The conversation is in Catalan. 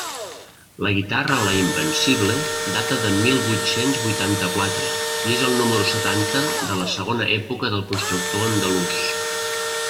La guitarra La Invencible data del mil vuit-cents vuitanta-quatre, i és el número setanta de la segona època del constructor andalús.